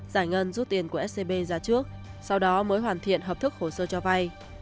giải ngân rút tiền của scb ra trước sau đó mới hoàn thiện hợp thức hồ sơ cho vay